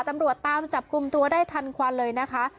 ตำรวจตามจับกลุ่มตัวได้ทันควันเลยนะคะ